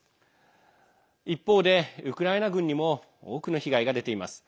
一方で、ウクライナ軍にも多くの被害が出ています。